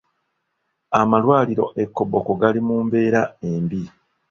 Amalwaliro e Koboko gali mu mbeera embi.